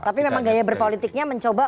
tapi memang gaya berpolitiknya mencoba